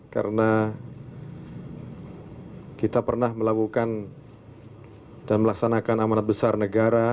karena kita pernah melakukan dan melaksanakan amanat besar negara